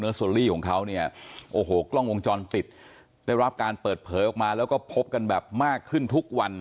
โซลี่ของเขาเนี่ยโอ้โหกล้องวงจรปิดได้รับการเปิดเผยออกมาแล้วก็พบกันแบบมากขึ้นทุกวัน